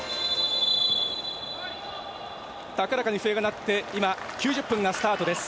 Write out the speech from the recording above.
高らかに笛が鳴って今、９０分がスタートです。